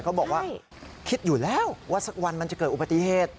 เขาบอกว่าคิดอยู่แล้วว่าสักวันมันจะเกิดอุบัติเหตุ